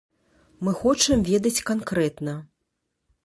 Мы хочам ведаць канкрэтна.